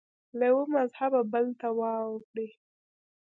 له یوه مذهبه بل ته واوړي